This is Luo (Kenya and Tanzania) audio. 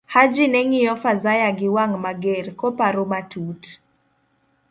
Haji neng'iyo Fazaya giwang ' mager, koparo matut.